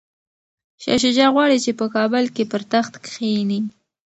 شاه شجاع غواړي چي په کابل کي پر تخت کښیني.